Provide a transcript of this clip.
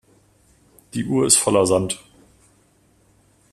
Die Uhr ist voller Sand.